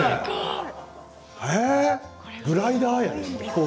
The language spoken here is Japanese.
グライダーや。